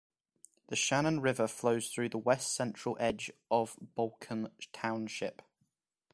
The Shannon River flows through the west-central edge of Balkan Township.